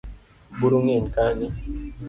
Buru ngeny kanyo